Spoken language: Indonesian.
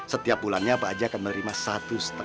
setiap bulannya pak haji akan menerima satu lima juta